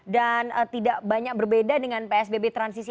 dan tidak banyak berbeda dengan psbb transisi